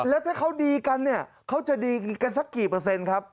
แล้วถ้าเขาดีกันเนี่ยเขาจะดีกันสักกี่เปอร์เซ็นต์ครับ